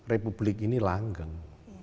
republik ini langgeng